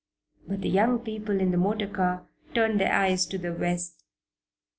But the young people in the motor car turned their eyes to the west.